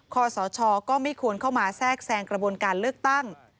ขอสชก็ไม่ควรเข้ามาแทรกแซงกระบวนการเลือกตั้ง